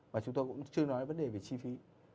và chúng tôi cũng chưa nói vấn đề về chi phí